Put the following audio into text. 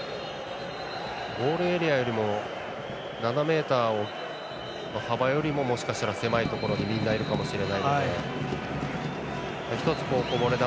ゴールエリアよりも７ｍの幅よりももしかしたら狭いところにみんな、いるかもしれないので１つこぼれ球